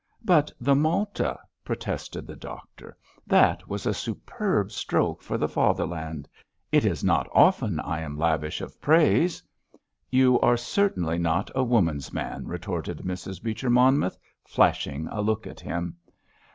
"But the Malta!" protested the Doctor. "That was a superb stroke for the Fatherland! It is not often I am lavish of praise." "You are certainly not a woman's man!" retorted Mrs. Beecher Monmouth, flashing a look at him.